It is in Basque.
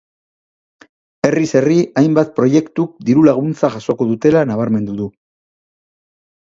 Herriz herri hainbat proiektuk diru-laguntza jasoko dutela nabarmendu du.